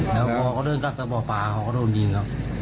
แล้วพวกเขาเริ่มจับจะบอกปลาเขาก็โดนยิงอ่ะ